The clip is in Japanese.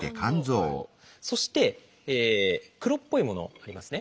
そして黒っぽいものありますね。